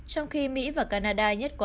trong khi mỹ và canada nhất quả